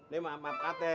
nih mbak mbak pate